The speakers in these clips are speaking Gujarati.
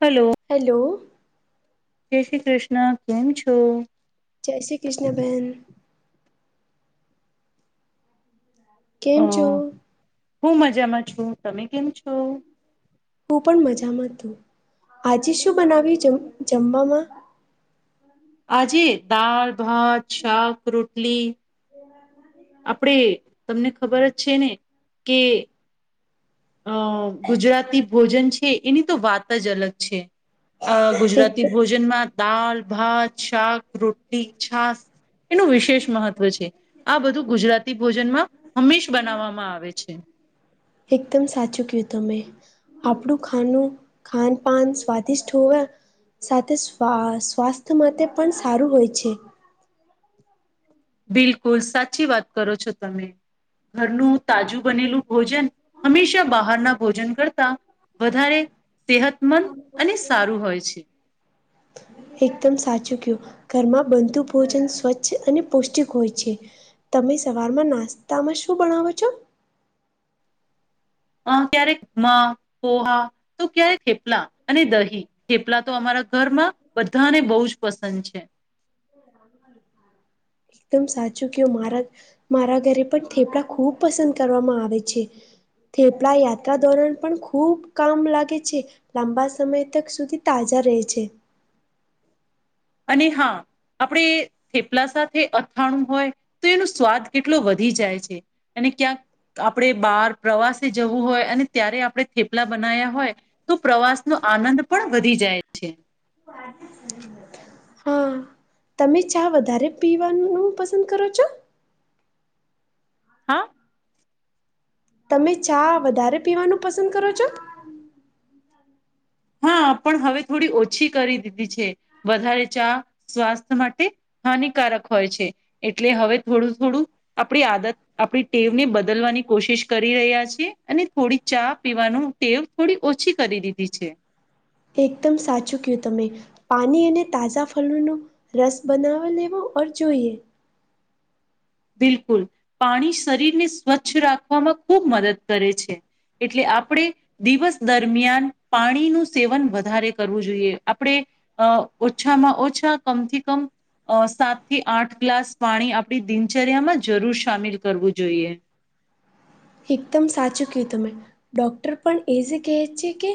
હલો હેલો જય શ્રી કૃષ્ણ કેમ છો? જૈસે કૃષણ બહેન અ કેમ છો? હું મજામાં છું તમે કેમ છો? [unintelligible] હું પણ મજામાં તું આજે શું બનાવી જમ જમવામાં આજે દળ ભાત શાક રોટલી આપણે તમને ખબર જ છે ને કે અ ગુજરાતી ભોજન છે એની તો વાત જ અલગ છે. અ ગુજરાતી એક ભોજનમાં દળ ભાત શાક રોટલી છાસ એનું વિશેષ મહત્વ છે આ બધું ગુજરાત ભોજનમાં હંમેશ બનાવવામાં આવે છે. એકદમ સાચું કય્યું તમેં આપણું ખાનું ખાન પાન સ્વાદિષ્ટ હોવે સાથે સ્વા સ્વાસ્થ્ય માટે પણ સારું હોય છે. બિલકુલ સાચી વાત કરો છો તમે. ઘરનું તાજું બનેલું ભોજન હંમેશા બહારના ભોજન કરતા. વધારે સેહતમંદ અને સારું હોય છે. એકદમ સાચું કીયુ ઘરમાં બંધુ ભોજન સ્વચ્છ અને પૌષ્ટિક હોય છે. તમે સવારમાં નાસ્તામાં શું ભણાવો છો. અ ક્યારેક પોહા તો ક્યારેક હેપલા અને દહી. કેપલા તો અમારા ઘરમાં બધાને બહુ જ પસંદ છે. એકદમ સાચું કેવ મારા મારા ઘરે પણ થેપડા ખૂબ પસંદ કરવામાં આવે છે. થેપળા યાત્રા દોરણ પણ ખૂબ કામ લાગે છે. લાંબા સમય તક સુધી તાજા રહે છે. અને હા. આપણે થેપલા સાથે અથાણું હોય તો એનો સ્વાદ કેટલો વધી જાય છે. અને ક્યાંક આપણે બાર પ્રવાસે જવું હોય અને ત્યારે આપણે થેપલા બના્યા હોય. તો પ્રવાસ નો આનંદ પણ વધી જાય છે. હા. તમે ચા વધારે પીવાનું પસંદ કરો છો? હા તમે ચા વધારે પીવાનું પસંદ કરો છો? હા પણ હવે થોડી ઓછી કરી દીધી છે વધારે ચા સ્વાસ્થ્ય માટે હાનિકારક હોય છે એટલે હવે થોડું થોડું આપણી આદત આપણી ટેવને બદલવાની કોશિશ કરી રહ્યા છીએ અને થોડી ચા પીવાનું તેલ થોડી ઓછી કરી દીધી છે. એકદમ સાચું કય્યું તમે. પાણી અને તાજા ફળનો રસ બનાવી લેવો ઓર જોઈએ. બિલકુલ પાણી શરીરને સ્વચ્છ રાખવામાં ખૂબ મદદ કરે છે. એટલે આપણેે. દિવસ દરમિયાન પાણીનું સેવન વધારે કરવું જોઈએ આપણે અ ઓછામાં ઓછા કમથી કમ. અ સાત થી આઠ ગ્લાસ પાણી આપણી દિનચર્યામાં જરૂર સામેલ કરવું જોઈએ. એકદમ સાચું કું તમે ડોક્ટર પણ એજ કહે છે કે.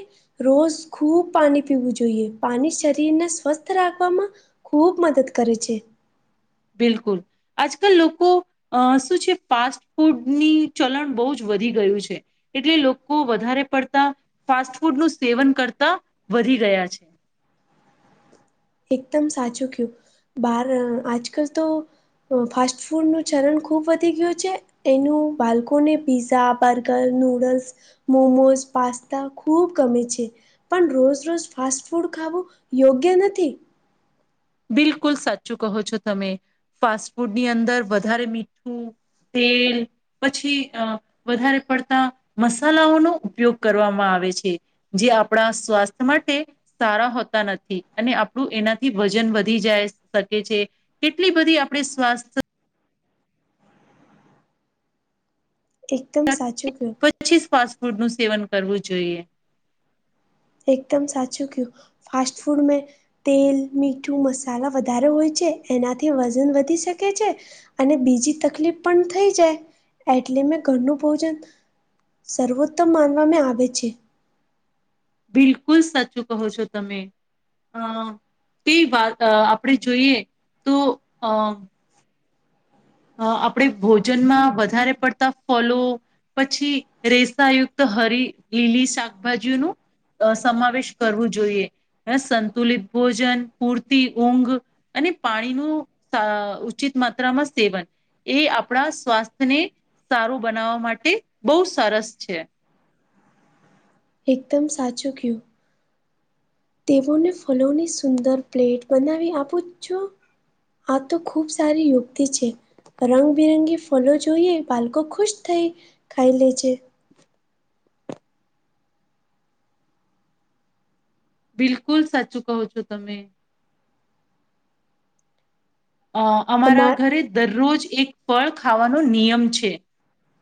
રોજ ખૂબ પાણી પીવું જોઈએ પાણી શરીરને સ્વસ્થ રાખવામાં ખૂબ મદદ કરે છે. બિલકુલ. આજકાલ લોકો અ શું છે ફાસ્ટ ફૂડની ચલણ બહુ જ વધી ગયું છે. એટલે લોકો વધારે પડતા ફાસ્ટ ફૂડ નું સેવન કરતા વધી ગયા છે. એકદમ સાચું કયું બાર આજ કલ તો ફાસ્ટ ફૂડનું ચલણ ખૂબ વધી ગયું છે. એનું બાળકોને pizza burger noodles. Momos pasta ખૂબ કમી છે. પણ રોજ રોજ ફાસ્ટ ફૂડ ખું યોગ્ય નથી. બિલકુલ સાચું કહો છો તમે ફાસ્ટ ફૂડની અંદર વધારે મીઠું તેલ. પછી અ વધારે પડતા મસાલાઓનોો ઉપયોગ કરવામાં આવે છે. જે આપણા સ્વાસ્થ્ય માટે સારા હોતા નથી અને આપણું એનાથી વધ જાય શકે છે કેટલી બધી આપણે સ્થ એકદમ સાચું ક પછી ફાસ્ટ ફૂડ નું સેવન કરવું જોઈએ એકદમ સાચું કું ફાસ્ટ ફૂડ મે તેલ મીઠું મસાલા વધારે હોય છે એનાથી વજન વધી શકે છે અને બીજી તકલીફ પણ થઈ જાય એટલે મેં ઘરનું ભોજન સર્વોત્તમ માનવામાં આવે છે બિલકુલ સાચું કહો છો તમે અ તે વાત આપણે જોઈએ તો અ અ આપણે ભોજનમાં વધારે પડતા ફલો પછી રેસાયુક્ત હરી લીલી શાકભાજીનું અ સમાવેશ કરવું જોઈએ હ સંતુલિત ભોજન પૂરતી ઊંઘ અને પાણીનું ઉચિત માત્રામાં સેવન એ આપણા સ્વાસ્થ્યને સારું બનાવવા માટે બહુ સરસ છે એકદમ સાચું કું તેઓને ફલોની સુંદર પ્લેટ બનાવી આપું છો આ તો ખૂબ સારી યુવક્તિ છે રંગબિરંગી ફલો જોઈએ બાળકો ખુશ થઈ ખાઈ લેજે બિલકુલ સાચું કહો છો તમે અ અમારા અમાર ઘરે દરરોજ એક ફળ ખાવાનો નિયમ છે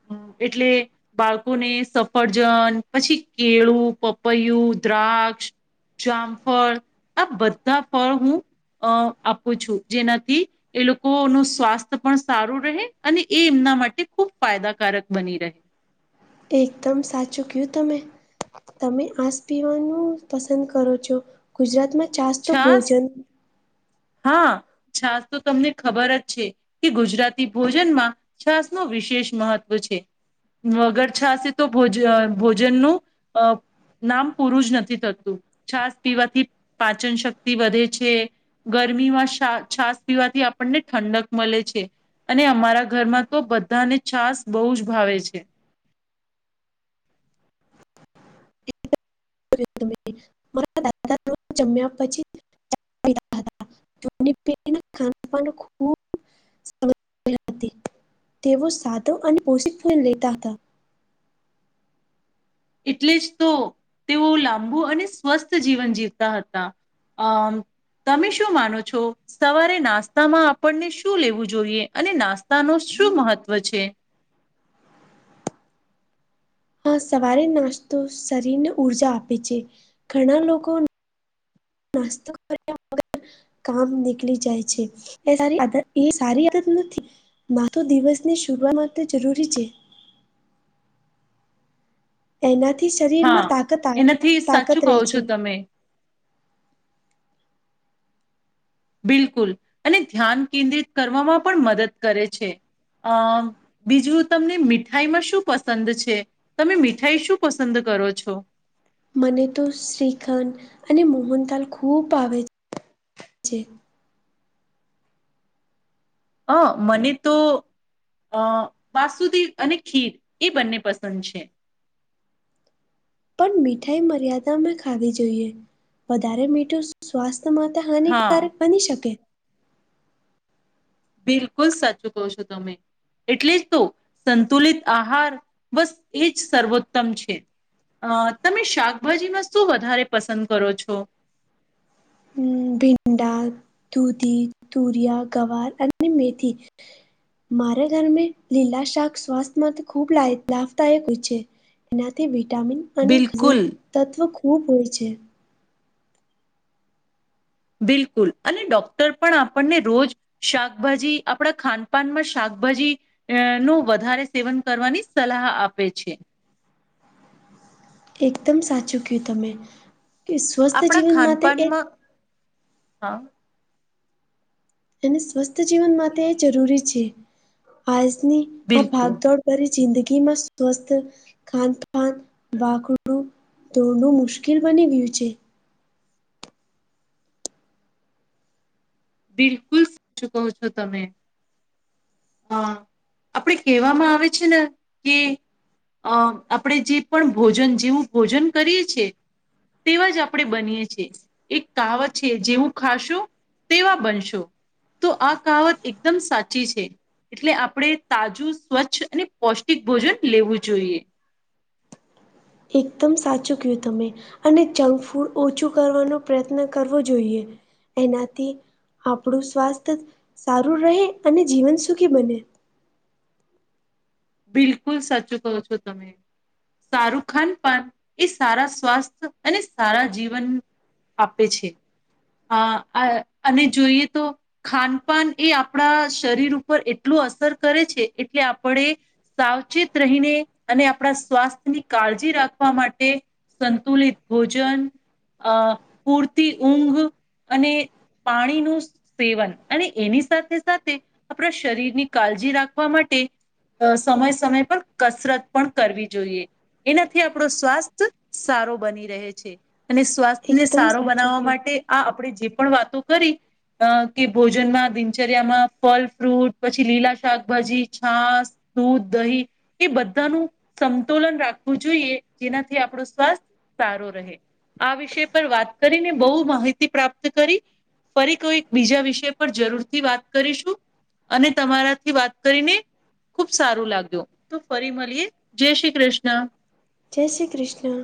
હમ એટલે બાળકોને સફરજન પછી કેળું પપૈયું દ્રાક્ષ જામ ફળ આ બધા ફળ હું અ આપું છું જેના હતી એ લોકો ન સ્વાસ્થ્ય પણ સારું રહે અને એ એમના માટે ખૂબ ફાયદાકારક બની રહે એકદમ સાચું કયું તમે તમે આસ પીવાનું પસંદ કરો છો ગુજરાત માં ચાસ તો છાસ ભોજન હા છાસ તો તમને ખબર જ છે કે ગુજરાતી ભોજનમા છાસ ન વિશેષ મહત્વ છે. વગર છાશે તો ભોજ ભોજનનું અ નામ પૂરું જ નથી થતું છાસ પીવાથી પાચન શક્તિ વધે છે. ગરમીમાં છાસ પીવાથી આપણને ઠંડક મળે છે. અને અમારા ઘરમાં તો બધાને છાસ બહુ જ ભાવે છે. તમે મારા દાદા રો જમ્યા પછી ની પે ના ખાના પા ખૂબ તેઓ સાધો અને પોષિક ફ લેતા હતા. એટલે જ તો તેઓ લાંબુ અને સ્વસ્થ જીવન જીવતા હતા. અમ તમે શું માનો છો. સવારે નાસ્તામાં આપણને શું લેવું જોઈએ અને નાસ્તા ન શું મહત્વ છે. હા સવારે નાસ્તો શરીરને ઉર્જા આપે છે ઘણા લોકો નાસ્તો કર્યા કામ નીકળી જાય છે, એ સ આદત એ સારી આદત નથી. માથ દિવસની શરૂઆત માટે જરૂરી છે. એનાથી શરીર હા માં તાત એનાથી તાકત સાચું કહો રહે છે. છો તમે બિલકુલ અને ધ્યાન કેન્દ્રિત કરવામાં પણ મદદ કરે છે, અમ બીજું તમને મીઠાઈમાં શું પસંદ છે, તમે મીઠાઈ શું પસંદ કરો છો. મને તો શ્રીખન અને મોહનતાલ ખૂબ આવે છે. હ મને તો અ વાસુદ અને ખીર એ બંને પસંદ છે. પણ મીઠાઈ મર્યાદા મે ખાવી જોઈએ વધારે મીઠુ સ્વાસ્થ્ય માટે હા હાનિકારક બની શકે બિલકુલ સાચું કહો છો, તમે એટલે જ તો સંતુલિત આહાર બસ એ જ સર્વોત્તમ છે. અ તમે શાકભાજીમા શું વધારે પસંદ કરો છો. ભિંડાડા દૂધી તુરિયા ગવાર અને મેથી મારા ઘરમે લીલા શાક સ્વાસ્થ્ય માટે ખૂબ લ લાભદાયક હોય છે. એનાથી વિટામિન અને બિલકુલ તત્વ ખૂબ હોય છે. બિલકુલ અને ડોક્ટર પણ આપણને રોજ શાકભાજી આપણા ખાનપાનમાં શાકભાજી અ નું વધારે સેવન કરવાની સલાહ આપે છે. એકદમ સાચું કુ તમે કે સ્વસ્થ આપણા જીવન માટે એ ખાનપાનમાં હા એ સ્વસ્થ જીવન માટે એ જરૂરી છે, આજની આ બિલકુલ ભાગદોડ પરરી જિંદગીમાં સ્વસ્થ ખાન ખાન ભખડું ધોરણું મુશ્કેલ બની ગયુ છે. બિલકુલ સાચું કહો છો, તમે હા આપડે કહેવામાં આવે છેને, કે અ આપણેે જે પણ ભોજન જેવું ભોજન કરીએ છ, છે. તેવા જ આપણે બનીએ છીએ એક કાવ છે, જેવું ખાશું તેવા બનશો તો આ કાવત એકદમ સાચી છે. એટલે આપણે તાજું સ્વચ્છ અને પૌષ્ટિક ભોજન લેવું જોઈએ એકદમ સાચું ક તમે અને જંક ફૂડ ઓછુ કરવાનો પ્રયત્ન કરવો જોઈએ. એનાથી આપણું સ્વાસ્થ્ય સારુ રહે, અને જીવન સુખી બને બિલકુલ સાચું કહો છો, તમે શારું ખાન પાાન એ સારા સ્વાસ્થ્ય અને સારા જીવન આપે છે, આ અને જોઈએ તો ખાનપાન એ આપણા શરીર ઉપર એટલું અસર કરે છે એટલે આપણે સાવચેત રહીને અને આપણા સ્વાસ્થ્ય ની કાળજી રાખવા માટે સંતુલિત ભોજન અ પૂરતી ઊંઘ અને પાણી નું સેવન અને એની સાથે સાથે આપણા શરીરની કાળજી રાખવા માટે અ સમય સમય પર કસરત પણ કરવી જોઈએ. એનાથી આપણો સ્વાસ્થ સારો બની રહે છે અને સ્વાસ્થ્ય ને એકદમ સારો સાચું બનાવવા કહ્યું. માટે આ આપણે જે પણ વાતો કરી અ કે ભોજનમાં દિનચર્યામાં ફલ ફ્રૂટ પછી લીલા શાકભાજી છાસ દૂધ દહી એ બધાનું સમતોુલન રાખવું જોઈએ જેનાથી આપણું સ્વાસ્થ્ય સારો રહે આ વિષય પર વાત કરીને બહુ માહિતી પ્રાપ્ત કરી ફરી કોઈ બીજા વિષય પર જરૂર થી વાત કરીશું. અને તમારા થી વાત કરીને ખુબ સારું લાગ્યું તો ફરી મળીએ જય શ્રી કૃષ્ણ જય શ્રી કૃષ્ણ